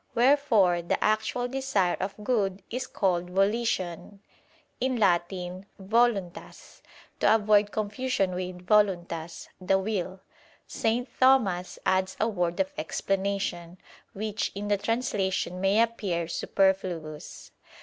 Wherefore the actual desire of good is called "volition" [*In Latin, 'voluntas'. To avoid confusion with "voluntas" (the will) St. Thomas adds a word of explanation, which in the translation may appear superfluous.